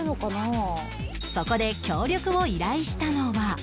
そこで協力を依頼したのは